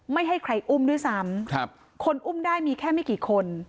ไม่ให้ใครอุ้มด้วยซ้ำครับคนอุ้มได้มีแค่ไม่กี่คน